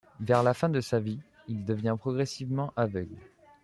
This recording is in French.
Vers la fin de sa vie, il devient progressivement aveugle.